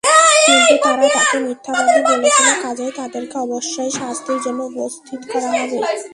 কিন্তু তারা তাকে মিথ্যাবাদী বলেছিল, কাজেই তাদেরকে অবশ্যই শাস্তির জন্য উপস্থিত করা হবে।